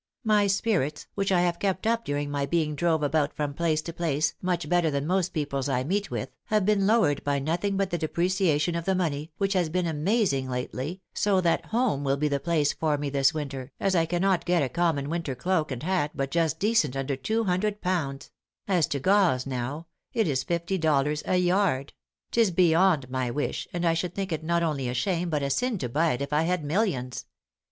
My spirits, which I have kept up during my being drove about from place to place, much better than most people's I meet with, have been lowered by nothing but the depreciation of the money, which has been amazing lately, so that home will be the place for me this winter, as I cannot get a common winter cloak and hat but just decent under two hundred pounds; as to gauze now, it is fifty dollars a yard; 'tis beyond my wish, and I should think it not only a shame but a sin to buy it if I had millions.